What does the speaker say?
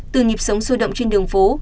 từ nhịp sống sôi động trên đường phố